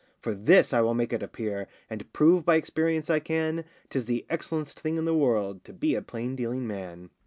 For this I will make it appear, And prove by experience I can, 'Tis the excellen'st thing in the world To be a plain dealing man.